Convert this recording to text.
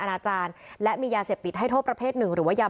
อาจารย์และมียาเสพติดให้โทษประเภทหนึ่งหรือว่ายา